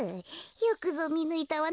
よくぞみぬいたわね